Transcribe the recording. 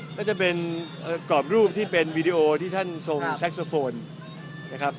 ก็จะเป็นกรอบรูปที่เป็นวีดีโอที่ท่านทรงแซ็กโซโฟนนะครับ